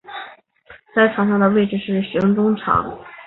在场上的位置是型中场。